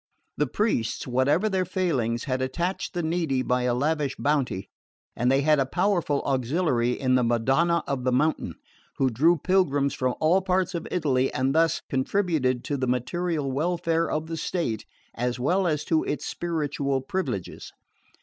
The priests, whatever their failings, had attached the needy by a lavish bounty; and they had a powerful auxiliary in the Madonna of the Mountain, who drew pilgrims from all parts of Italy and thus contributed to the material welfare of the state as well as to its spiritual privileges.